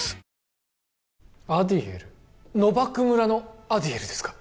アディエルノバク村のアディエルですか？